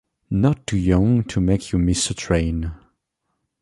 Not too young to make you miss a train.